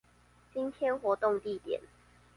今天活動地點